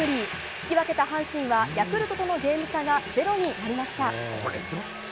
引き分けた阪神はヤクルトとのゲーム差が０になりました。